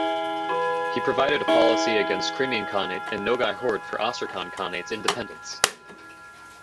He provided a policy against Crimean Khanate and Nogay Horde for Astrakhan Khanate's independence.